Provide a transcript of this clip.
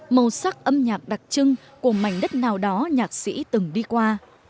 màu sắc âm nhạc đặc trưng của mảnh đất nào đó nhạc sĩ từng đi qua